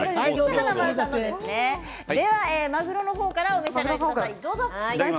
まぐろの方からお召し上がりください。